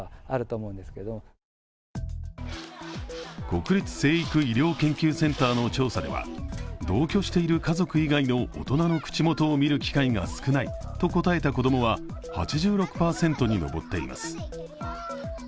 国立成育医療研究センターの調査では、同居している家族以外の大人の口元を見る機会が少ないと答えた子供は８６％に上っています。